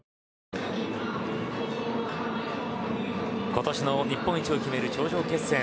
今年の日本一を決める頂上決戦。